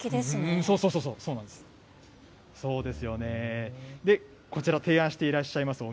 そうそうそうそう、そうなんです。